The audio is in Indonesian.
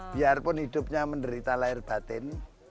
biarpun hidupnya menderita lahir batin